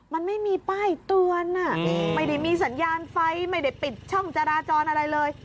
มันไม่มีป้ายเตือนไม่ได้มีสัญญาณไฟไม่ได้ปิดช่องจราจรอะไรเลย